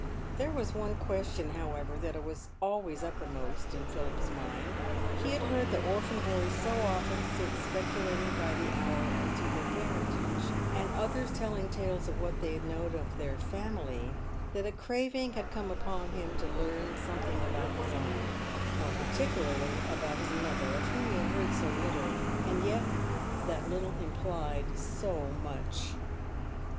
There was one question, however, that was always uppermost in Philip's mind. He had heard the orphan boys so often sit speculat ing by the hour as to their parentage, and others telling tales of what they had known of their family, that a craving had come upon him to learn something about his own, — more particularly about his mother, of whom he had heard so little, and yet that little im plied so much.